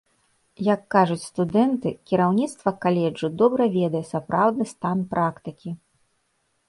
Як кажуць студэнты, кіраўніцтва каледжу добра ведае сапраўдны стан практыкі.